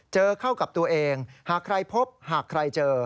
เจอเข้ากับตัวเองหากใครพบหากใครเจอ